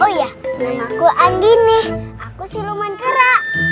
oh iya namaku anggini aku siluman kera